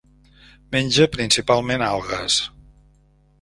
Menja principalment algues.